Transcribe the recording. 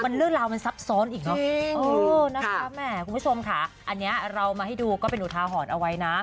มันเรื่องราวมันซับซ้อนอีกหรอคุณผู้ชมค่ะอันนี้เรามาให้ดูก็ไปหนูทาหอนเอาไว้นะ